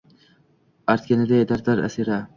artganingday dardlar arisa